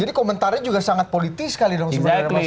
jadi komentarnya juga sangat politis kali dong sebenarnya mas